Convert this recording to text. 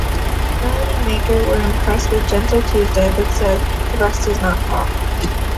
"Melody Maker" were impressed with "Gentle Tuesday" but said "the rest is not pop.